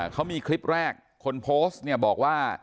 เขามีคลิปแรกคนโพสต์เนี่ยบอกว่า